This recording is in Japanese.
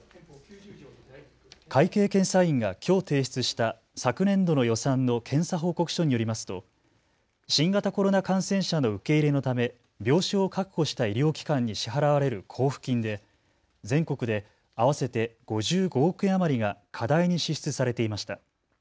会計検査院がきょう提出した昨年度の予算の検査報告書によりますと新型コロナ感染者の受け入れのため病床を確保した医療機関に支払われる交付金で全国で合わせて５５億円余りが過大に支出されていました。